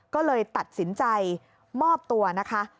ก็เลยตัดสินใจมอบตัวนะคะ